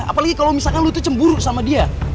apalagi kalo misalkan lo tuh cemburu sama dia